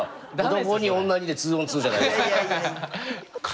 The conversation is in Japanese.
男２女２で２ｏｎ２じゃないですか。